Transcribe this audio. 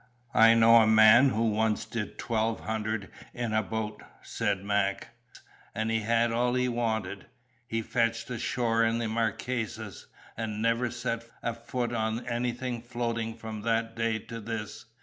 "I know a man who once did twelve hundred in a boat," said Mac, "and he had all he wanted. He fetched ashore in the Marquesas, and never set a foot on anything floating from that day to this.